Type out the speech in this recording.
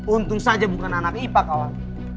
untung saja bukan anak ipa kawan